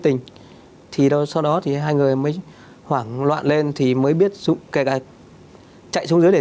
tình thì đâu sau đó thì hai người mới hoảng loạn lên thì mới biết dụng cài đặt chạy xuống dưới để